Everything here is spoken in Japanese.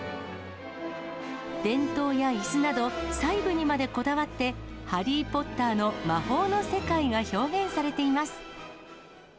電灯やいすなど、細部にまでこだわって、ハリー・ポッターの魔法の世界が表現されています。